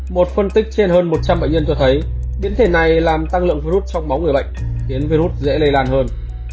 một phân tích trên hơn một trăm linh bệnh nhân cho thấy biến thể này làm tăng lượng virus trong máu người bệnh khiến virus dễ lây lan hơn